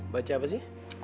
baca apa sih